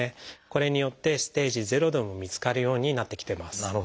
これによってステージ０でも見つかるようになってきてます。